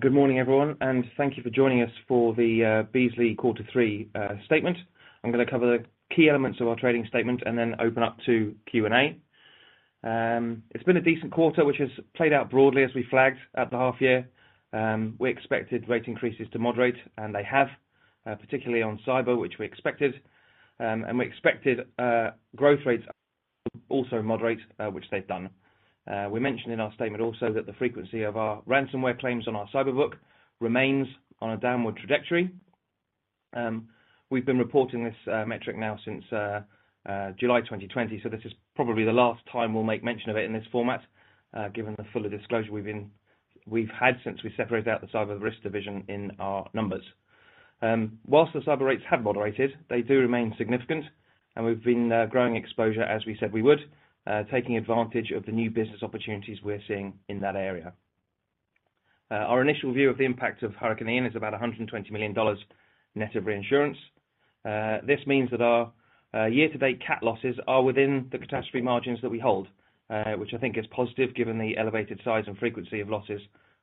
Good morning, everyone, and thank you for joining us for the Beazley quarter three statement. I'm gonna cover the key elements of our trading statement and then open up to Q&A. It's been a decent quarter, which has played out broadly as we flagged at the half year. We expected rate increases to moderate, and they have, particularly on cyber, which we expected. We expected growth rates also moderate, which they've done. We mentioned in our statement also that the frequency of our ransomware claims on our cyber book remains on a downward trajectory. We've been reporting this metric now since July 2020. This is probably the last time we'll make mention of it in this format, given the fuller disclosure we've had since we separated out the Cyber Risks division in our numbers. While the cyber rates have moderated, they do remain significant, and we've been growing exposure as we said we would, taking advantage of the new business opportunities we're seeing in that area. Our initial view of the impact of Hurricane Ian is about $120 million net of reinsurance. This means that our year to date cat losses are within the catastrophe margins that we hold, which I think is positive given the elevated size and frequency of losses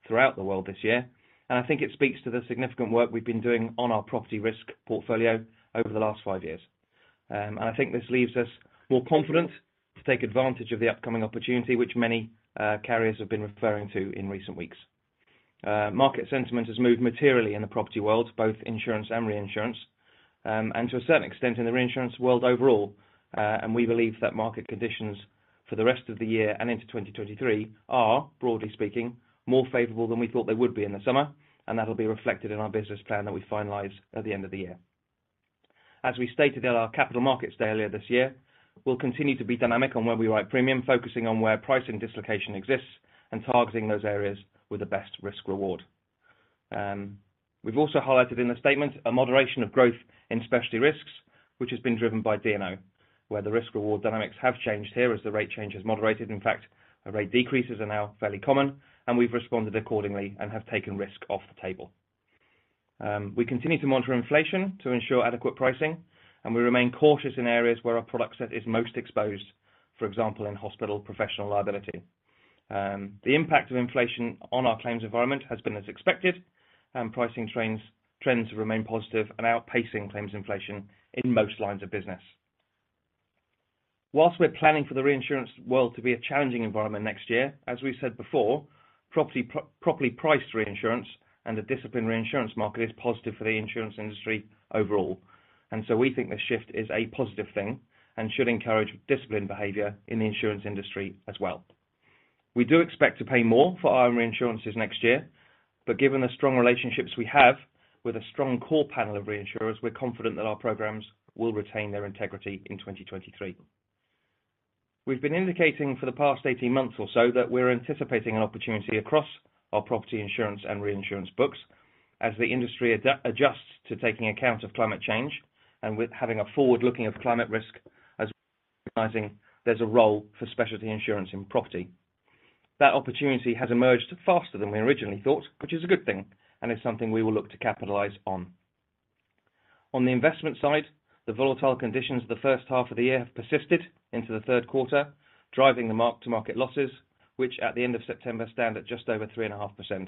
throughout the world this year. I think it speaks to the significant work we've been doing on our property risk portfolio over the last five years. I think this leaves us more confident to take advantage of the upcoming opportunity which many carriers have been referring to in recent weeks. Market sentiment has moved materially in the property world, both insurance and reinsurance, and to a certain extent in the reinsurance world overall. We believe that market conditions for the rest of the year and into 2023 are, broadly speaking, more favorable than we thought they would be in the summer, and that'll be reflected in our business plan that we finalize at the end of the year. As we stated at our capital markets day earlier this year, we will continue to be dynamic on where we write premium, focusing on where pricing dislocation exists and targeting those areas with the best risk reward. We hae also highlighted in the statement a moderation of growth in specialty risks, which has been driven by D&O, where the risk reward dynamics have changed here as the rate change has moderated. In fact, the rate decreases are now fairly common, and we have responded accordingly and have taken risk off the table. We continue to monitor inflation to ensure adequate pricing, and we remain cautious in areas where our product set is most exposed, for example, in hospital professional liability. The impact of inflation on our claims environment has been as expected, and pricing trends remain positive and outpacing claims inflation in most lines of business. While we are planning for the reinsurance world to be a challenging environment next year, as we have said before, properly priced reinsurance and the disciplined reinsurance market is positive for the insurance industry overall. We think the shift is a positive thing and should encourage disciplined behavior in the insurance industry as well. We do expect to pay more for our reinsurances next year, but given the strong relationships we have with a strong core panel of reinsurers, we're confident that our programs will retain their integrity in 2023. We've been indicating for the past 18 months or so that we're anticipating an opportunity across our property insurance and reinsurance books as the industry adjusts to taking account of climate change and with having a forward-looking of climate risk as recognizing there's a role for specialty insurance in property. That opportunity has emerged faster than we originally thought, which is a good thing and is something we will look to capitalize on. On the investment side, the volatile conditions the first half of the year have persisted into the third quarter, driving the mark-to-market losses, which at the end of September stand at just over 3.5%.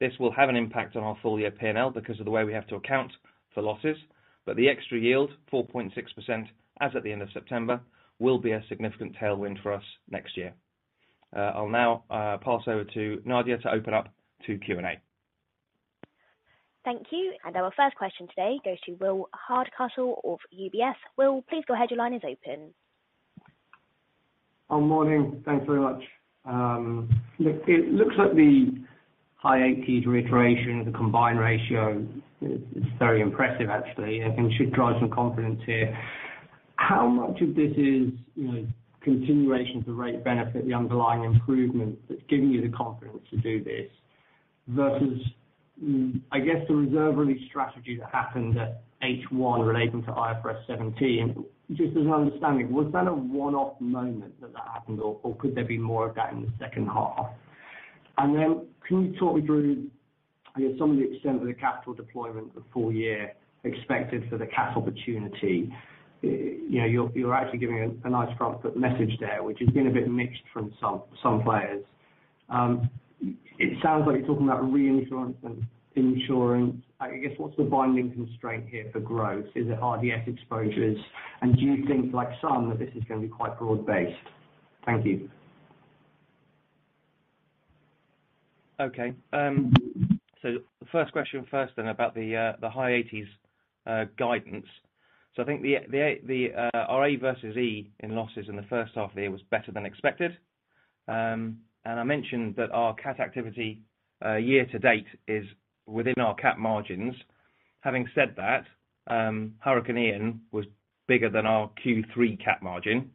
This will have an impact on our full year P&L because of the way we have to account for losses, but the extra yield, 4.6%, as at the end of September, will be a significant tailwind for us next year. I'll now pass over to Nadia to open up to Q&A. Thank you. Our first question today goes to Will Hardcastle of UBS. Will, please go ahead. Your line is open. Morning. Thanks very much. Look, it looks like the high eighties reiteration of the combined ratio is very impressive actually. I think it should drive some confidence here. How much of this is, you know, continuation of the rate benefit, the underlying improvement that's giving you the confidence to do this versus, I guess, the reserve release strategy that happened at H1 relating to IFRS 17? Just as an understanding, was that a one-off moment that happened or could there be more of that in the second half? And then can you talk me through, I guess, some of the extent of the capital deployment the full year expected for the cat opportunity? You know, you are actually giving a nice front foot message there, which has been a bit mixed from some players. It sounds like you're talking about reinsurance and insurance. I guess, what's the binding constraint here for growth? Is it hard cat exposures? And do you think that this is gonna be quite broad-based? Thank you. Okay. First question first then about the high eighties guidance. I think the A vs. E in losses in the first half of the year was better than expected. I mentioned that our cat activity year to date is within our cat margins. Having said that, Hurricane Ian was bigger than our Q3 cat margin.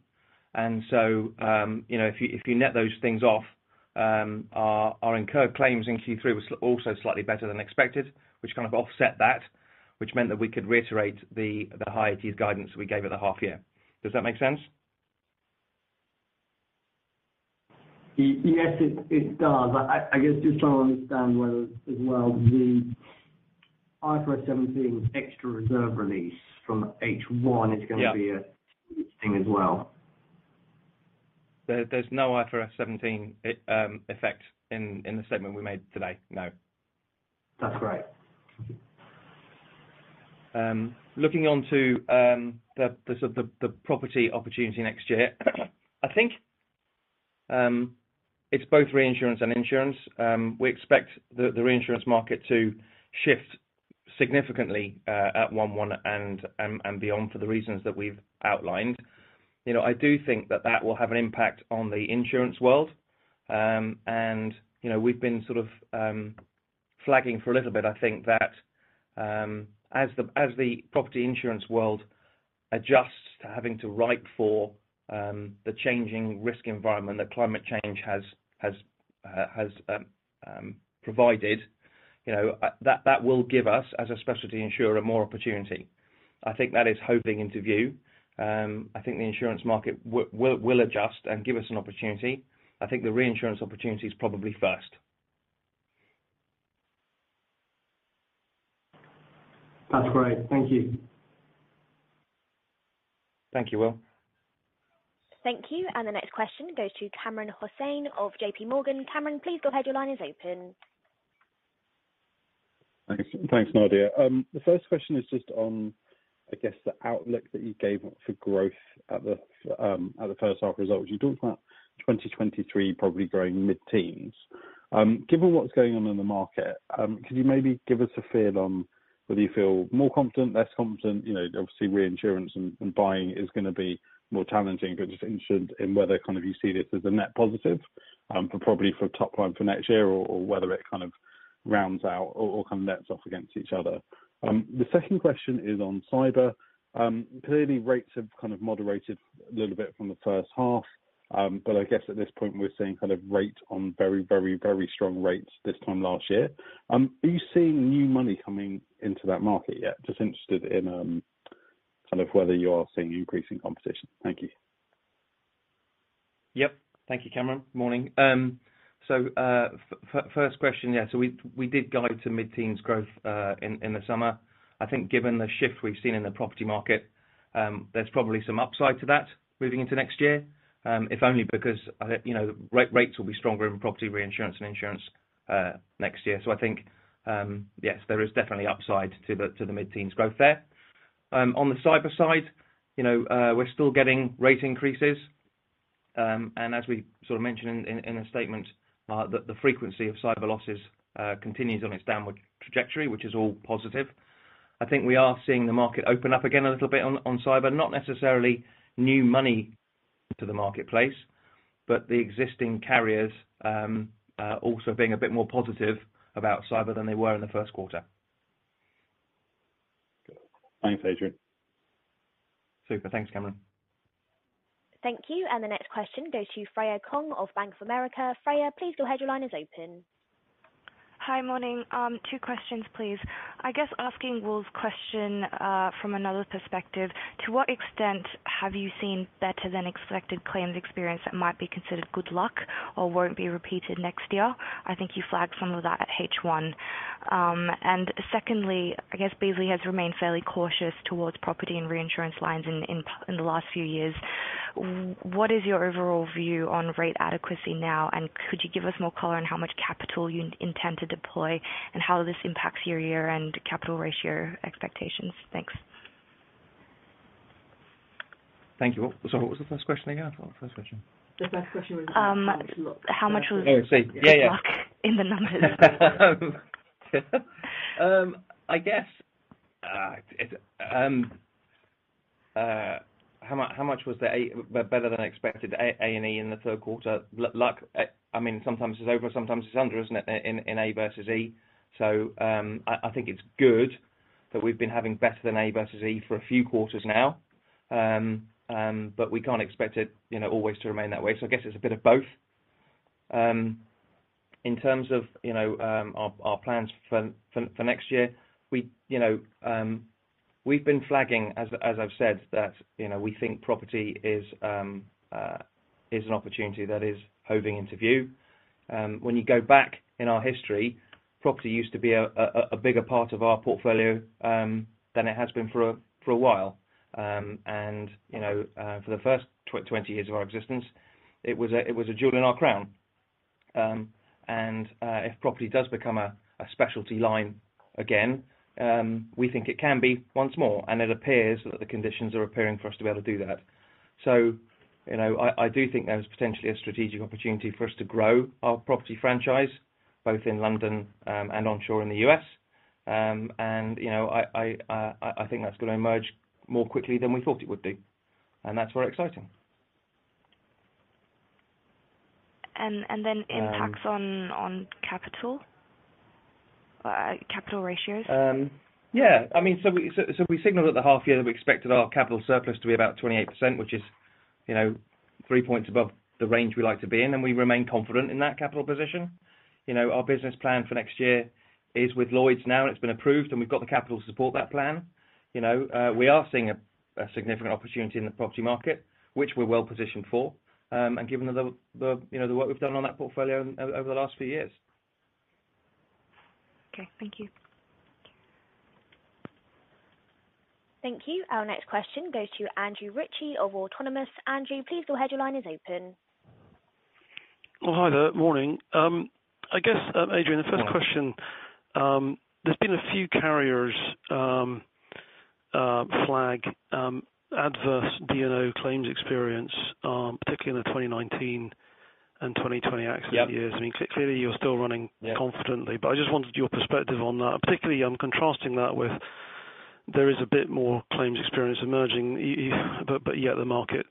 And so you know, if you net those things off, our incurred claims in Q3 was also slightly better than expected, which kind of offset that, which meant that we could reiterate the high eighties guidance we gave at the half year. Does that make sense? Yes, it does. I guess just trying to understand whether as well the IFRS 17 extra reserve release from H1 is gonna be? Yeah. A thing as well. There is no IFRS 17 effect in the statement we made today, no. That's great. Looking on to the property opportunity next year. I think it's both reinsurance and insurance. We expect the reinsurance market to shift significantly at 1/1 and beyond for the reasons that we have outlined. You know, I do think that will have an impact on the insurance world. You know, we've been sort of flagging for a little bit. I think that as the property insurance world adjusts to having to write for the changing risk environment that climate change has provided, you know, that will give us, as a specialty insurer, more opportunity. I think that is coming into view. I think the insurance market will adjust and give us an opportunity. I think the reinsurance opportunity is probably first. That's great. Thank you. Thank you, Will. Thank you. The next question goes to Kamran Hossain of J.P. Morgan. Kamran, please go ahead. Your line is open. Thanks. Thanks, Nadia. The first question is just on, I guess, the outlook that you gave for growth at the first half results. You talked about 2023 probably growing mid-teens%. Given what's going on in the market, could you maybe give us a feel on whether you feel more confident, less confident, you know, obviously reinsurance and pricing is gonna be more challenging, but just interested in whether, kind of you see this as a net positive, for probably for top line for next year or whether it kind of rounds out or kind of nets off against each other. The second question is on cyber. Clearly rates have kind of moderated a little bit from the first half. I guess at this point we're seeing kind of rates are very strong rates this time last year. Are you seeing new money coming into that market yet? Just interested in kind of whether you are seeing increasing competition. Thank you. Yep. Thank you, Kamran Hossain. Morning. First question. Yeah. We did guide to mid-teens growth in the summer. I think given the shift we have seen in the property market, there's probably some upside to that moving into next year. If only because, you know, rates will be stronger in property reinsurance and insurance next year. So I think, yes there is definitely upside to the mid-teens growth there. On the cyber side, you know, we are still getting rate increases. As we sort of mentioned in a statement, the frequency of cyber losses continues on its downward trajectory, which is all positive. I think we are seeing the market open up again a little bit on cyber, not necessarily new money to the marketplace, but the existing carriers also being a bit more positive about cyber than they were in the first quarter. Thanks, Adrian. Super. Thanks, Kamran Hossain. Thank you. The next question goes to Freya Kong of Bank of America. Freya, please go ahead. Your line is open. Hi. Morning. Two questions, please. I guess asking Will's question from another perspective, to what extent have you seen better than expected claims experience that might be considered good luck or won't be repeated next year? I think you flagged some of that at H1. And secondly, I guess Beazley has remained fairly cautious towards property and reinsurance lines in the last few years. What is your overall view on rate adequacy now? And could you give us more color on how much capital you intend to deploy and how this impacts your year-end capital ratio expectations? Thanks. Thank you. Sorry, what was the first question again? First question. The first question was. How much was. Oh, I see. Yeah, yeah. Luck in the numbers? I guess how much was the better than expected A vs E in the third quarter? I mean, sometimes it's over, sometimes it's under, isn't it, in A vs. E. So I think it's good that we've been having better than A vs. E for a few quarters now. We can't expect it, you know, always to remain that way. I guess it's a bit of both. In terms of, you know, our plans for next year. You know, we've been flagging as I have said that, you know, we think property is an opportunity that is coming into view. When you go back in our history, property used to be a bigger part of our portfolio than it has been for a while. And you know, for the first 20 years of our existence, it was a jewel in our crown. If property does become a specialty line again, and we think it can be once more. It appears that the conditions are appearing for us to be able to do that. You know I do think there is potential strategic opportunity for us to grow, property franchise both in London and offshore in the US. I think that's gonna emerge more quickly than we thought it would be, and that's very exciting. And then impacts on capital ratios. Yeah, I mean, we signaled at the half year that we expected our capital surplus to be about 28%, which is, you know, three points above the range we like to be in, and we remain confident in that capital position. You know, our business plan for next year is with Lloyd's now, and it's been approved, and we have got the capital to support that plan. You know, we are seeing a significant opportunity in the property market, which we are well positioned for. Given the you know, the work we've done on that portfolio over the last few years. Okay. Thank you. Thank you. Our next question goes to Andrew Ritchie of Autonomous. Andrew, please go ahead. Your line is open. Morning, I guess, Adrian, the first question, there's been a few carriers flagging adverse D&O claims experience, particularly in the 2019 and 2020 accident years. Yeah. I mean, clearly you are still running. Yeah Confidently, I just wanted your perspective on that. Particularly, I'm contrasting that with there is a bit more claims experience emerging. Yet the market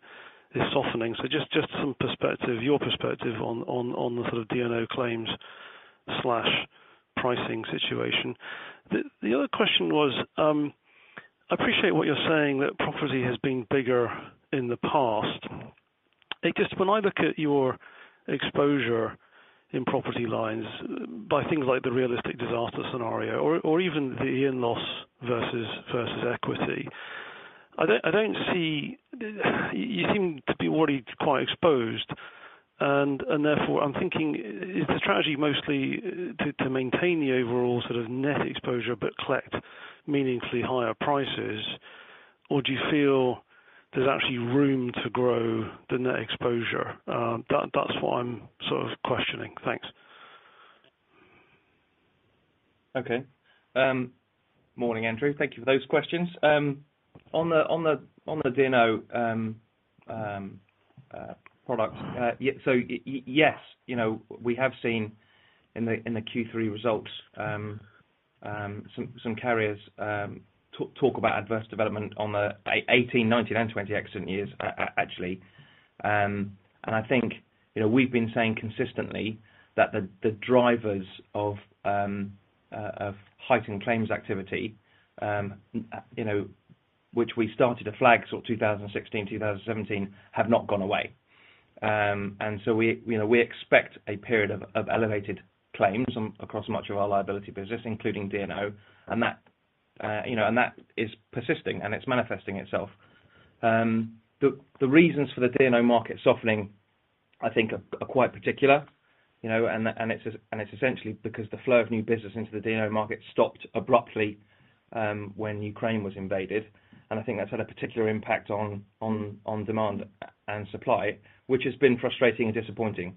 is softening. Just some perspective, your perspective on the sort of D&O claims/pricing situation. The other question was, I appreciate what you're saying that property has been bigger in the past. It just, when I look at your exposure in property lines by things like the realistic disaster scenario or even the year loss versus equity, I don't see you seem to be already quite exposed and therefore I'm thinking, is the strategy mostly to maintain the overall sort of net exposure but collect meaningfully higher prices? Or do you feel there is actually room to grow the net exposure? That's what I'm sort of questioning. Thanks. Okay. Morning, Andrew Ritchie. Thank you for those questions. On the D&O product. Yes. You know, we have seen in the Q3 results some carriers talk about adverse development on the 2018, 2019, and 2020 accident years actually. I think, you know, we have been saying consistently that the drivers of heightened claims activity, you know, which we started to flag sort of 2016, 2017, have not gone away. We expect a period of elevated claims across much of our liability business, including D&O, and that is persisting and it's manifesting itself. The reasons for the D&O market softening, I think, are quite particular. You know, and it's essentially because the flow of new business into the D&O market stopped abruptly when Ukraine was invaded. I think that's had a particular impact on demand and supply, which has been frustrating and disappointing.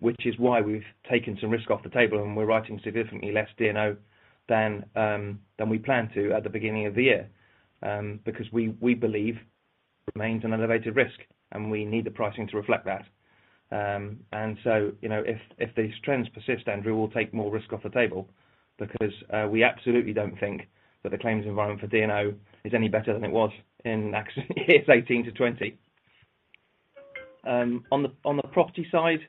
Which is why we have taken some risk off the table and we're writing significantly less D&O than we planned to at the beginning of the year. Because we believe it remains an elevated risk and we need the pricing to reflect that. You know, if these trends persist, Andrew, we'll take more risk off the table because we absolutely don't think that the claims environment for D&O is any better than it was in accident years 2018-2020. On the property side,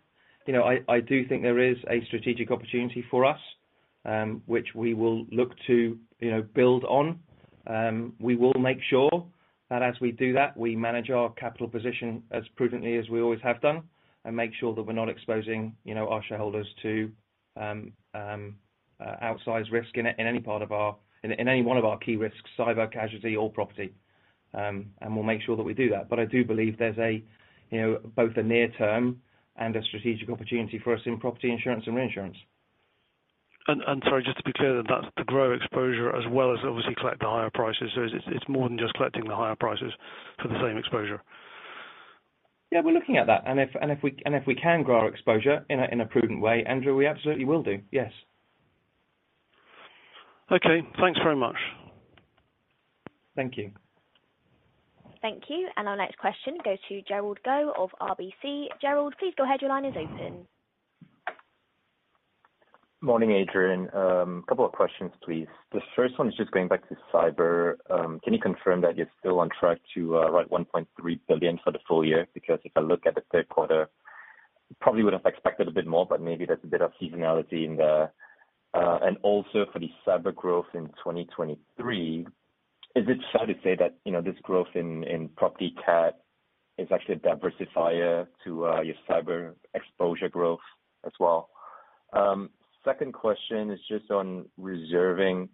you know, I do think there is a strategic opportunity for us, which we will look to, you know, build on. We will make sure that as we do that, we manage our capital position as prudently as we always have done, and make sure that we are not exposing, you know, our shareholders to outsized risk in any one of our key risks, cyber, casualty or property. And will make sure that we do that. I do believe there's a, you know, both a near term and a strategic opportunity for us in property insurance and reinsurance. Sorry, just to be clear, that's to grow exposure as well as obviously collect the higher prices. It's more than just collecting the higher prices for the same exposure. Yeah, we are looking at that. If we can grow our exposure in a prudent way, Andrew, we absolutely will do. Yes. Okay. Thanks very much. Thank you. Thank you. Our next question goes to Derald Goh of RBC. Derald, please go ahead. Your line is open. Morning, Adrian. A couple of questions, please. The first one is just going back to cyber. Can you confirm that you are still on track to write 1.3 billion for the full year? Because if I look at the third quarter, probably would have expected a bit more, but maybe there's a bit of seasonality in there. And also for the cyber growth in 2023, is it fair to say that, you know, this growth in property CAT is actually a diversifier to your cyber exposure growth as well? Second question is just on reserving.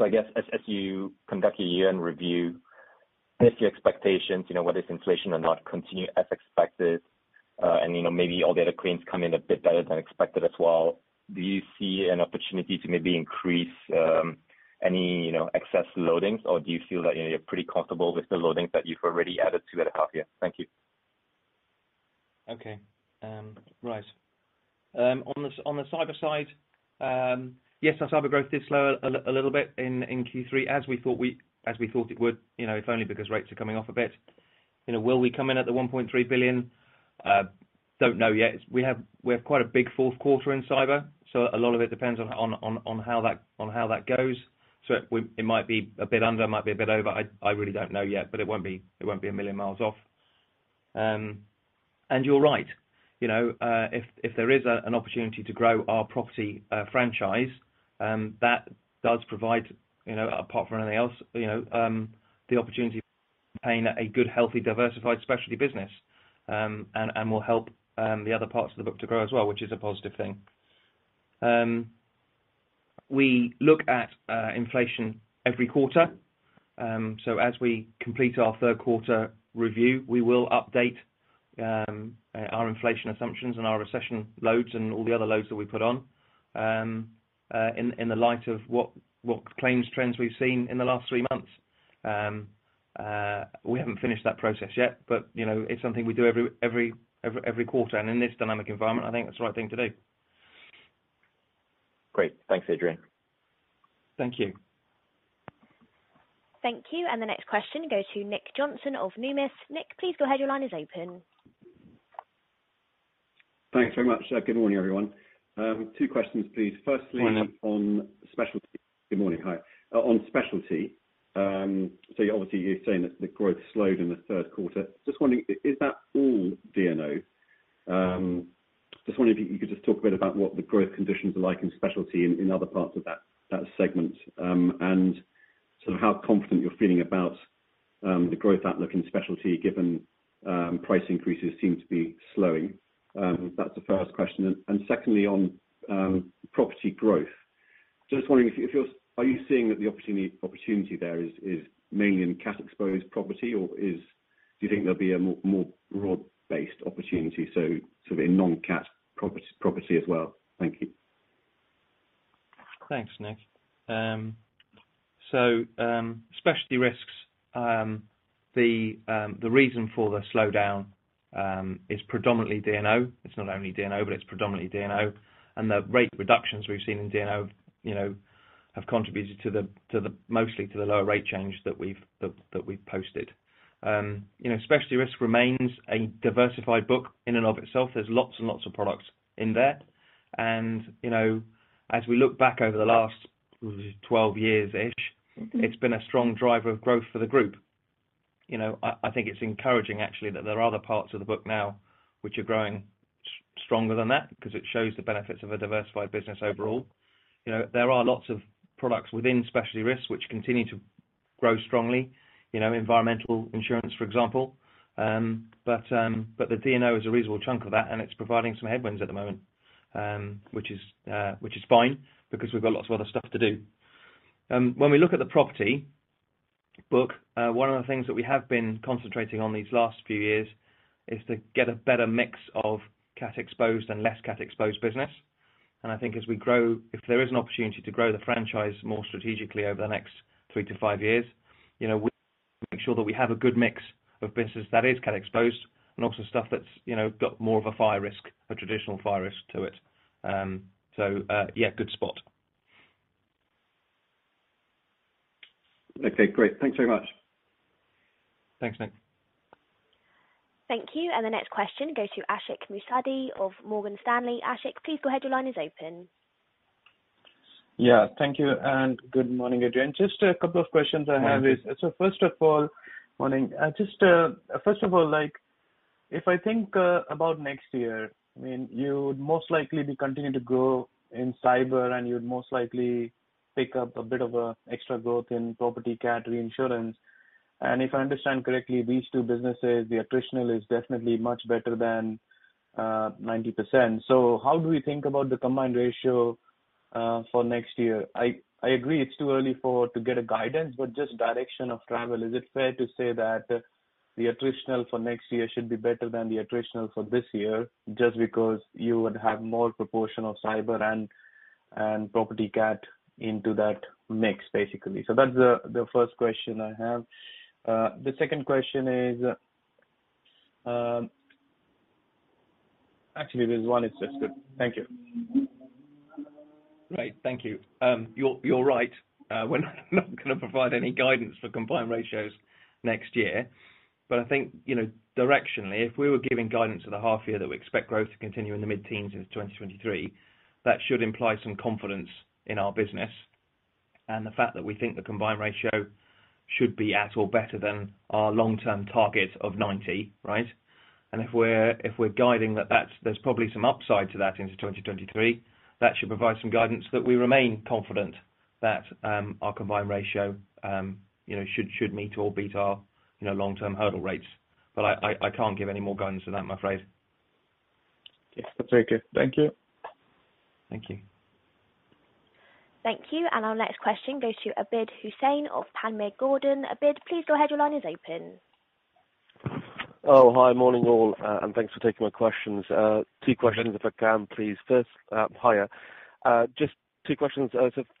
I guess as you conduct your year-end review, if your expectations, you know, whether it's inflation or not, continue as expected, and, you know, maybe all the other claims come in a bit better than expected as well, do you see an opportunity to maybe increase any, you know, excess loadings? Or do you feel that, you know, you are pretty comfortable with the loadings that you've already added to at half year? Thank you. Okay. Right. On the cyber side, yes, our cyber growth did slow a little bit in Q3 as we thought it would. You know, if only because rates are coming off a bit. You know, will we come in at the $1.3 billion? Don't know yet. We have quite a big fourth quarter in cyber, so a lot of it depends on how that goes. It might be a bit under, it might be a bit over. I really don't know yet. It won't be a million miles off. And you're right. You know, if there is an opportunity to grow our property franchise, that does provide, you know, apart from anything else, you know, the opportunity to obtain a good, healthy, diversified specialty business, and will help the other parts of the book to grow as well, which is a positive thing. We look at inflation every quarter. As we complete our third quarter review, we will update our inflation assumptions and our recession loads and all the other loads that we put on. In the light of what claims trends we've seen in the last three months. We haven't finished that process yet, but you know, it's something we do every quarter. In this dynamic environment, I think that's the right thing to do. Great. Thanks, Adrian. Thank you. Thank you. The next question goes to Nick Johnson of Numis. Nick, please go ahead. Your line is open. Thanks very much. Good morning, everyone. Two questions, please. Morning. Good morning. Hi. On specialty, so obviously you're saying that the growth slowed in the third quarter. Just wondering, is that all D&O? Just wondering if you could just talk a bit about what the growth conditions are like in specialty in other parts of that segment, and sort of how confident you're feeling about the growth outlook in specialty given price increases seem to be slowing. That's the first question. Secondly, on property growth. Just wondering, if are you seeing that the opportunity there is mainly in cat exposed property, or do you think there'll be a more broad-based opportunity, so sort of in non-cat property as well? Thank you. Thanks, Nick. Specialty risks, the reason for the slowdown is predominantly D&O. It's not only D&O, but it's predominantly D&O. The rate reductions we have seen in D&O, you know, have contributed mostly to the lower rate change that we've posted. You know, specialty risk remains a diversified book in and of itself. There's lots and lots of products in there. You know, as we look back over the last 12 years-ish. Mm-hmm. It's been a strong driver of growth for the group. You know, I think it's encouraging actually that there are other parts of the book now which are growing stronger than that 'cause it shows the benefits of a diversified business overall. You know, there are lots of products within specialty risks which continue to grow strongly. You know, environmental insurance, for example. The D&O is a reasonable chunk of that, and it's providing some headwinds at the moment. Which is fine because we've got lots of other stuff to do. When we look at the property book, one of the things that we have been concentrating on these last few years is to get a better mix of cat exposed and less cat exposed business. I think as we grow, if there is an opportunity to grow the franchise more strategically over the next three to five years, you know, we make sure that we have a good mix of business that is cat exposed and also stuff that's, you know, got more of a fire risk, a traditional fire risk to it. So, yeah, good spot. Okay, great. Thanks very much. Thanks, Nick. Thank you. The next question goes to Ashik Musaddi of Morgan Stanley. Ashik, please go ahead. Your line is open. Yeah, thank you and good morning, Adrian. Just a couple of questions I have is. Morning. Morning. Just first of all, like, if I think about next year, I mean, you would most likely be continuing to grow in cyber and you would most likely pick up a bit of extra growth in property cat reinsurance. If I understand correctly, these two businesses, the attritional is definitely much better than 90%. How do we think about the combined ratio for next year? I agree it's too early for to get a guidance, but just direction of travel, is it fair to say that the attritional for next year should be better than the attritional for this year just because you would have more proportion of cyber and property cat into that mix, basically? That's the first question I have. The second question is. Actually, this one is just it. Thank you. Great. Thank you. You are right. We're not gonna provide any guidance for combined ratios next year. I think, you know, directionally, if we were giving guidance at the half year that we expect growth to continue in the mid-teens into 2023, that should imply some confidence in our business. The fact that we think the combined ratio should be at or better than our long-term target of 90, right? If we are guiding that that's, there's probably some upside to that into 2023. That should provide some guidance that we remain confident that, our combined ratio, you know, should meet or beat our, you know, long-term hurdle rates. I can't give any more guidance than that, I'm afraid. It's okay. Thank you. Thank you. Thank you. Our next question goes to Abid Hussain of Panmure Gordon. Abid, please go ahead. Your line is open. Oh, hi, morning all, and thanks for taking my questions. Two questions. Morning. If I can please. First, hiya. Just two questions.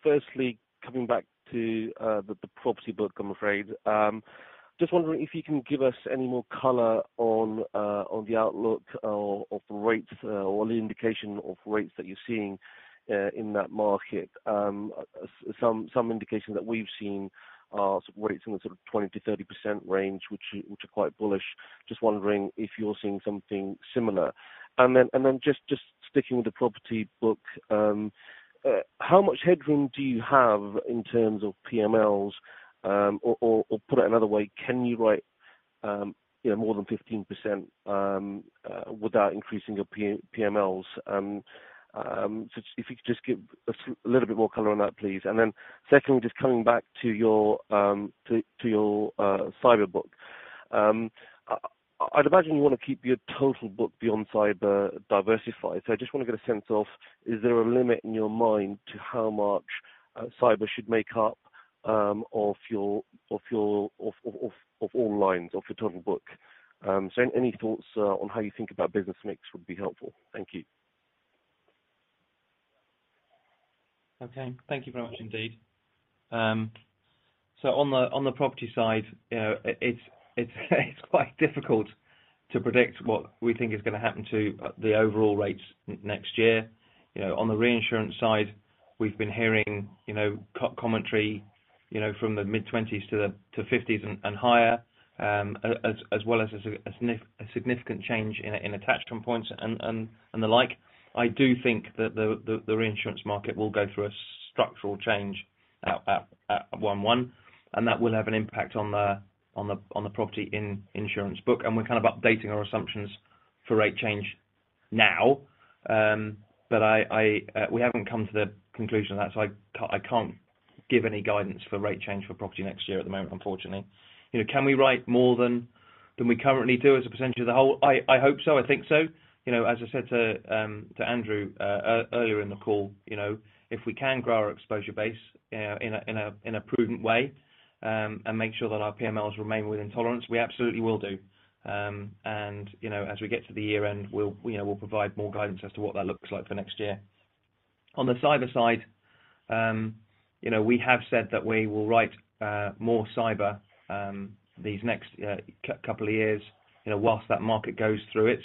Firstly, coming back to the property book, I'm afraid. Just wondering if you can give us any more color on the outlook or of rates or the indication of rates that you're seeing in that market. Some indication that we've seen are rates in the sort of 20%-30% range, which are quite bullish. Just wondering if you're seeing something similar. Then just sticking with the property book, how much headroom do you have in terms of PMLs? Or put another way, can you write, you know, more than 15%, without increasing your PMLs? If you could just give us a little bit more color on that, please. Secondly, just coming back to your cyber book. I'd imagine you wanna keep your total book beyond cyber diversified. I just wanna get a sense of, is there a limit in your mind to how much cyber should make up Of all lines of your total book. Any thoughts on how you think about business mix would be helpful. Thank you. Okay. Thank you very much indeed. So on the property side, you know, it's quite difficult to predict what we think is gonna happen to the overall rates next year. You know, on the reinsurance side, we have been hearing, you know, commentary, you know, from the mid-20s to the 50s and higher, as well as a significant change in attachment points and the like. I do think that the reinsurance market will go through a structural change at 1/1, and that will have an impact on the property insurance book. We're kind of updating our assumptions for rate change now. We haven't come to the conclusion of that, so I can't give any guidance for rate change for property next year at the moment, unfortunately. You know, can we write more than we currently do as a percentage of the whole? I hope so. I think so. You know as I said to Andrew earlier in the call, you know, if we can grow our exposure base in a prudent way and make sure that our PMLs remain within tolerance, we absolutely will do. You know, as we get to the year end, we will provide more guidance as to what that looks like for next year. On the cyber side, you know, we have said that we will write more cyber these next couple of years, you know, while that market goes through its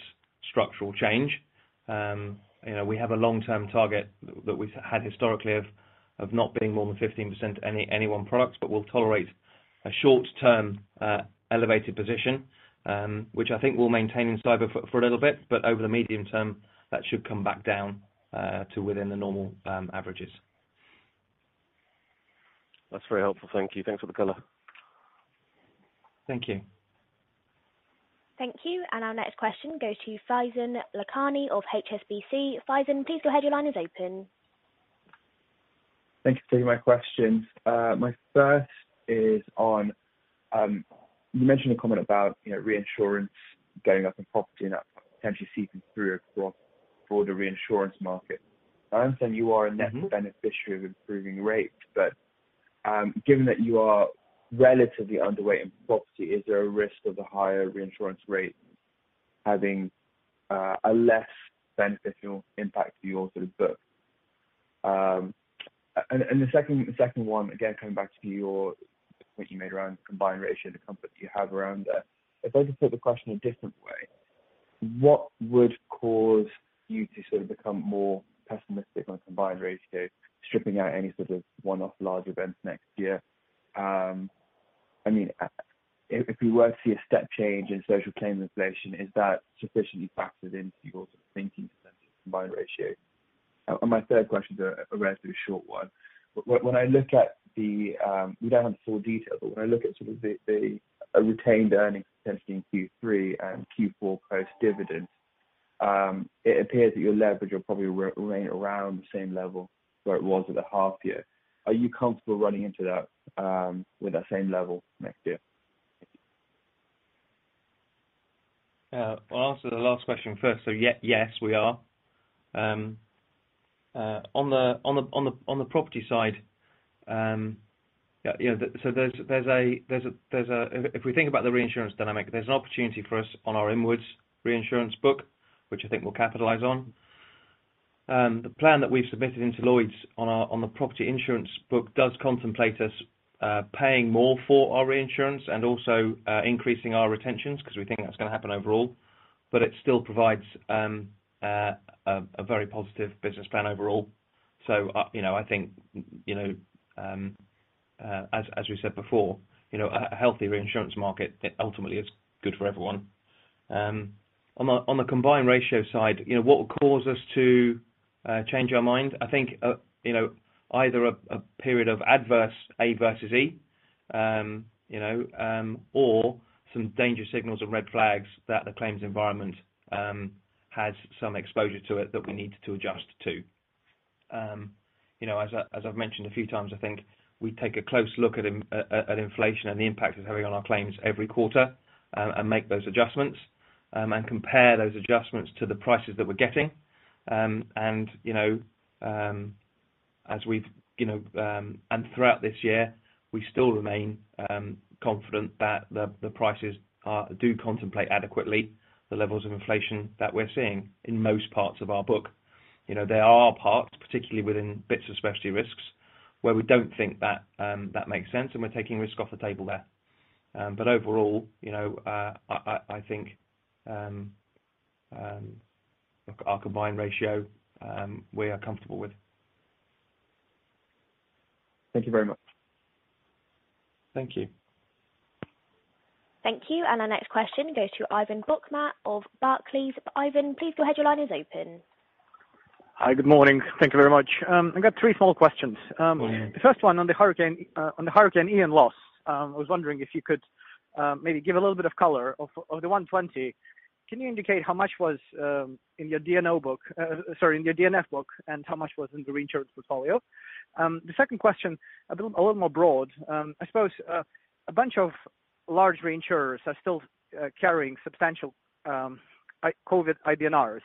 structural change. You know, we have a long-term target that we've had historically of not being more than 15% any one product, but we'll tolerate a short-term elevated position, which I think we'll maintain in cyber for a little bit, but over the medium term, that should come back down to within the normal averages. That's very helpful. Thank you. Thanks for the color. Thank you. Thank you. Our next question goes to Faizan Lakhani of HSBC. Faizan, please go ahead. Your line is open. Thank you for taking my questions. My first is on you mentioned a comment about, you know, reinsurance going up in property and that potentially seeping through across broader reinsurance market. I understand you are a net- Mm-hmm. -beneficiary of improving rates, but given that you are relatively underweight in property, is there a risk of the higher reinsurance rate having a less beneficial impact to your sort of book? The second one, again, coming back to your point you made around combined ratio, the comfort you have around that. If I just put the question a different way, what would cause you to sort of become more pessimistic on combined ratio, stripping out any sort of one-off large events next year? I mean, if you were to see a step change in social claims inflation, is that sufficiently factored into your thinking combined ratio? My third question's a relatively short one. When I look at the, we don't have the full detail, but when I look at sort of the retained earnings potentially in Q3 and Q4 post dividends, it appears that your leverage will probably remain around the same level where it was at the half year. Are you comfortable running into that, with that same level next year? I will answer the last question first. Yes, we are on the property side. You know, if we think about the reinsurance dynamic, there's an opportunity for us on our inwards reinsurance book, which I think we'll capitalize on. The plan that we've submitted into Lloyd's on our property insurance book does contemplate us paying more for our reinsurance and also increasing our retentions because we think that's gonna happen overall. It still provides a very positive business plan overall. So you know, I think, you know, as we said before, you know, a healthy reinsurance market, it ultimately is good for everyone. On the combined ratio side, you know, what would cause us to change our mind? I think, you know, either a period of adverse A vs E, you know, or some danger signals or red flags that the claims environment has some exposure to it that we need to adjust to. You know, as I've mentioned a few times, I think we take a close look at inflation and the impact it's having on our claims every quarter, and make those adjustments, and compare those adjustments to the prices that we're getting. You know, throughout this year, we still remain confident that the prices do contemplate adequately the levels of inflation that we are seeing in most parts of our book. You know, there are parts, particularly within bits of specialty risks, where we don't think that that makes sense, and we're taking risk off the table there. Overall, you know, I think our combined ratio we are comfortable with. Thank you very much. Thank you. Thank you. Our next question goes to Ivan Bokhmat of Barclays. Ivan, please go ahead. Your line is open. Hi. Good morning. Thank you very much. I've got three full questions. Mm-hmm. The first one on the hurricane, on the Hurricane Ian loss, I was wondering if you could maybe give a little bit of color. Of the 120, can you indicate how much was in your D&O book, sorry, in your D&F book, and how much was in the reinsurance portfolio? The second question, a little more broad. I suppose, a bunch of... Large reinsurers are still carrying substantial COVID IBNRs.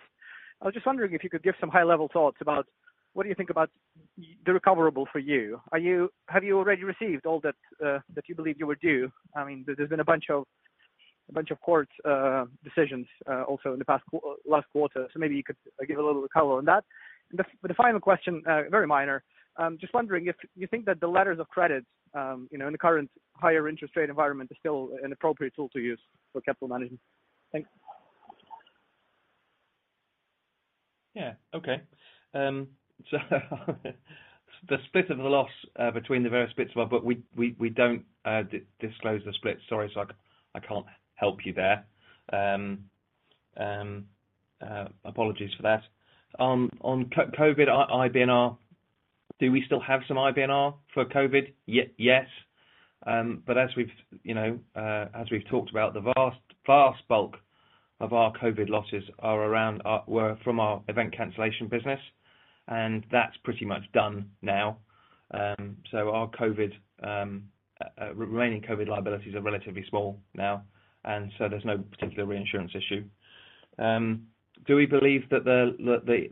I was just wondering if you could give some high level thoughts about what do you think about the recoverable for you. Have you already received all that that you believe you were due? I mean, there's been a bunch of court decisions also in the last quarter. Maybe you could give a little color on that. The final question, very minor. Just wondering if you think that the letters of credit, you know, in the current higher interest rate environment is still an appropriate tool to use for capital management. Thanks. Yeah. Okay, the split of the loss between the various bits, well, but we don't disclose the split. Sorry. I can't help you there. Apologies for that. On COVID IBNR, do we still have some IBNR for COVID? Yes. But as we've you know talked about, the vast bulk of our COVID losses were from our event cancellation business, and that's pretty much done now. Our COVID remaining COVID liabilities are relatively small now. There's no particular reinsurance issue. Do we believe that the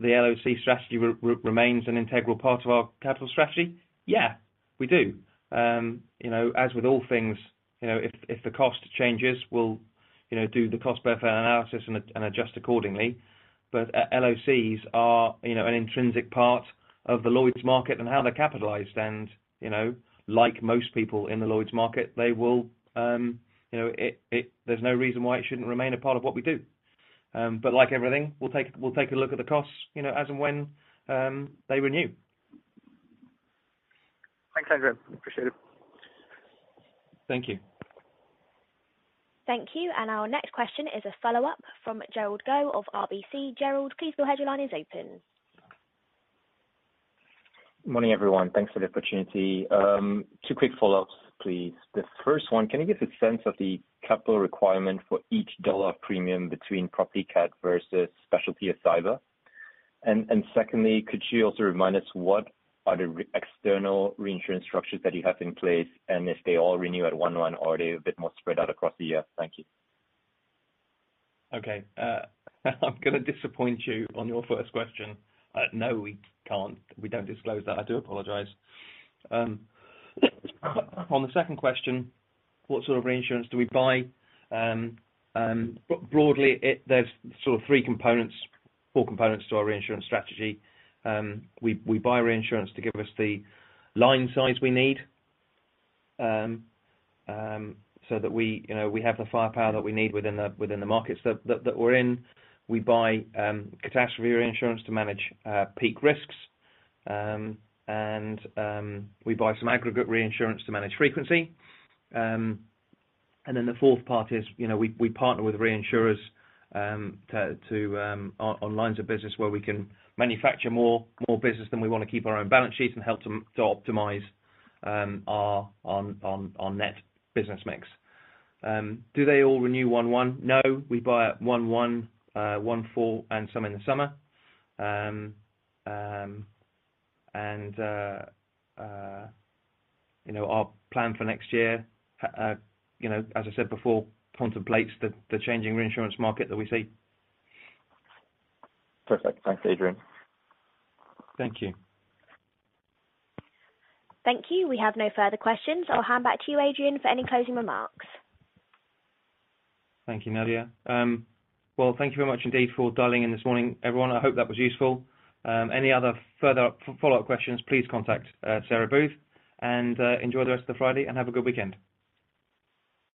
LOC strategy remains an integral part of our capital strategy? Yeah, we do. You know, as with all things, you know, if the cost changes, we'll, you know, do the cost benefit analysis and adjust accordingly. LOCs are, you know an intrinsic part of the Lloyd's market and how they are capitalized. Like most people in the Lloyd's market, there is no reason why it shouldn't remain a part of what we do. Like everything, we'll take a look at the costs, you know, as and when they renew. Thanks, Adrian. Appreciate it. Thank you. Thank you. Our next question is a follow-up from Derald Goh of RBC. Gerald, please go ahead. Your line is open. Morning, everyone. Thanks for the opportunity. Two quick follow-ups, please. The first one, can you give a sense of the capital requirement for each dollar of premium between property cat versus specialty of cyber? And secondly, could you also remind us what are the external reinsurance structures that you have in place, and if they all renew at one one or are they a bit more spread out across the year? Thank you. Okay. I'm gonna disappoint you on your first question. No, we can't. We don't disclose that. I do apologize. On the second question, what sort of reinsurance do we buy? Broadly, there is sort of three components, four components to our reinsurance strategy. We buy reinsurance to give us the line size we need, so that we, you know, we have the firepower that we need within the markets that we are in. We buy catastrophe reinsurance to manage peak risks. We buy some aggregate reinsurance to manage frequency. Then the fourth part is, you know, we partner with reinsurers to on lines of business where we can manufacture more business than we wanna keep our own balance sheets and help to optimize our net business mix. Do they all renew 1/1? No, we buy at 1/1 full and some in the summer. You know, our plan for next year, you know, as I said before, contemplates the changing reinsurance market that we see. Perfect. Thanks, Adrian. Thank you. Thank you. We have no further questions. I will hand back to you, Adrian, for any closing remarks. Thank you, Nadia. Well, thank you very much indeed for dialing in this morning, everyone. I hope that was useful. Any other further follow-up questions, please contact Sarah Booth. Enjoy the rest of the Friday, and have a good weekend.